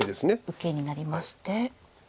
受けになりまして。